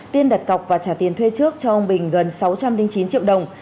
tiên đặt cọc và trả tiền thuê trước cho ông bình gần sáu trăm linh chín triệu đồng